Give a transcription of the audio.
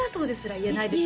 言えないです